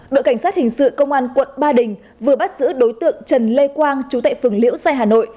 đội cảnh sát hình sự công an quận ba đình vừa bắt xử đối tượng trần lê quang chú tại phường liễu xài hà nội